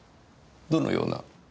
どのような？